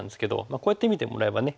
こうやって見てもらえばね